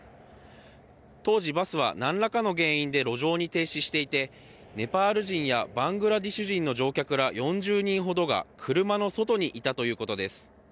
当時、バスは何らかの原因で路上に停止していてネパール人やバングラデシュ人の乗客ら４０人ほどが車の外にいたということです。